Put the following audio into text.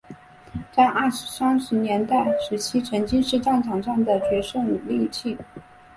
在二三十年代时期曾经是战场上的决胜利器。